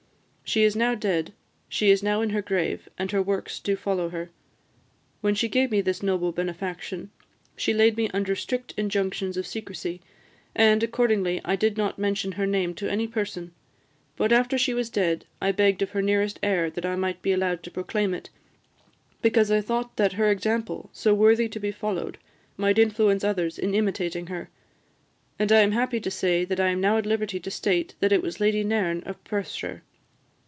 She is now dead; she is now in her grave, and her works do follow her. When she gave me this noble benefaction, she laid me under strict injunctions of secrecy, and, accordingly, I did not mention her name to any person; but after she was dead, I begged of her nearest heir that I might be allowed to proclaim it, because I thought that her example, so worthy to be followed, might influence others in imitating her; and I am happy to say that I am now at liberty to state that it was Lady Nairn of Perthshire.